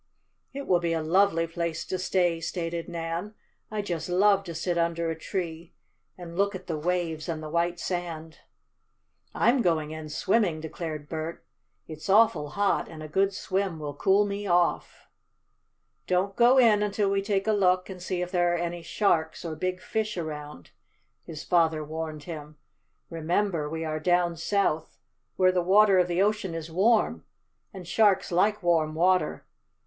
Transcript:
"It will be a lovely place to stay," stated Nan. "I just love to sit under a tree, and look at the waves and the white sand." "I'm going in swimming!" declared Bert. "It's awful hot, and a good swim will cool me off." "Don't go in until we take a look and see if there are any sharks or big fish around," his father warned him. "Remember we are down South, where the water of the ocean is warm, and sharks like warm water.